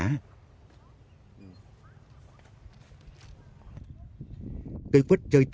cây quất chơi tết đến tháng hai âm lịch mà không dụng quả thối quả thối gốc hay vàng lá